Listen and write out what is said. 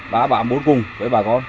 bạ bạ muốn cùng với bà con